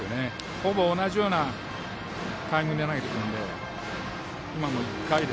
ほぼ同じようなタイミングで投げてくるので。